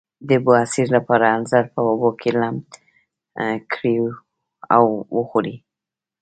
د بواسیر لپاره انځر په اوبو کې لمد کړئ او وخورئ